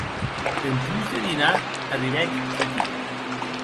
Dempús de dinar arribèc Kitty.